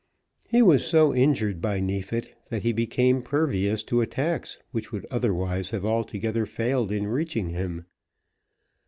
He was so injured by Neefit that he became pervious to attacks which would otherwise have altogether failed in reaching him.